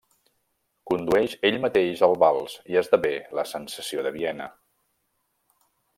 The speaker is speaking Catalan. Condueix ell mateix el vals, i esdevé la sensació de Viena.